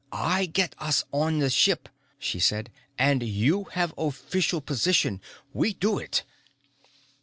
"I get us on the ship," she said. "And you have official position. We do it."